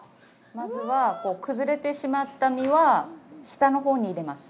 まずは、崩れてしまった身は、下のほうに入れます。